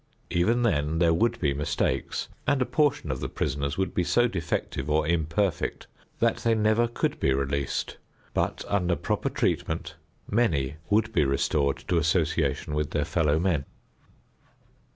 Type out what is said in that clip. Even then there would be mistakes, and a portion of the prisoners would be so defective or imperfect that they never could be released; but under proper treatment many would be restored to association with their fellow men.